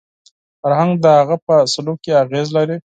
فرهنګ د هغه په سلوک کې اغېز لري